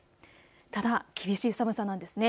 ただ厳しい寒さなんですね。